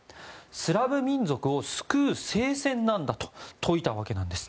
スラブ民族を救う聖戦だと説いたわけなんです。